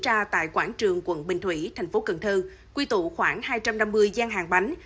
ra tại quảng trường quận bình thủy thành phố cần thơ quy tụ khoảng hai trăm năm mươi gian hàng bánh